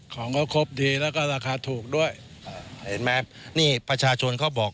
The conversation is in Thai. ของเขาครบดีแล้วก็ราคาถูกด้วยเห็นไหมนี่ประชาชนเขาบอก